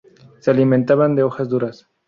Se alimentaban de hojas duras.